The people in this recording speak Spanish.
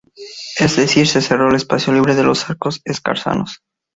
Es decir se cerró el espacio libre de los arcos escarzanos.